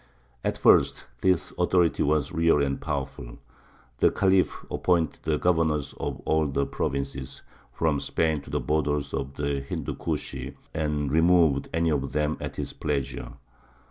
At first this authority was real and powerful: the Khalif appointed the governors of all the provinces, from Spain to the borders of the Hindu Kush, and removed any of them at his pleasure.